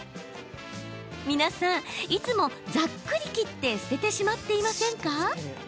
皆さん、いつも、ざっくり切って捨ててしまっていませんか？